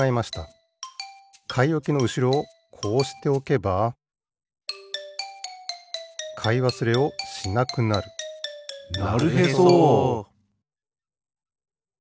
かいおきのうしろをこうしておけばかいわすれをしなくなるなるへそ！